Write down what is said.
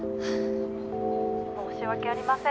「申し訳ありません。